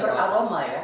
tapi dia beraroma ya